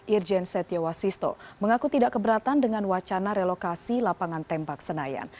irjen setiawasisto mengaku tidak keberatan dengan wacana relokasi lapangan tembak senayan